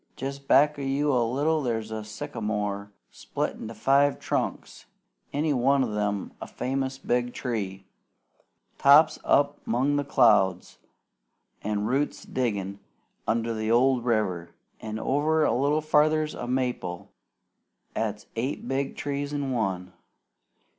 Jest back o' you a little there's a sycamore split into five trunks, any one o' them a famous big tree, tops up 'mong the clouds, an' roots diggin' under the old river; an' over a little farther's a maple 'at's eight big trees in one.